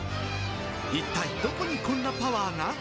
一体どこにこんなパワーが？